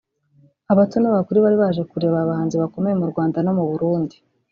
abato n’abakuru bari baje kureba abahanzi bakomeye mu Rwanda no mu Burundi